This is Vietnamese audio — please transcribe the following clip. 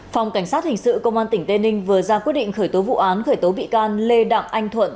phòng cảnh sát hình sự công an tỉnh tây ninh vừa ra quyết định khởi tố vụ án khởi tố bị can lê đặng anh thuận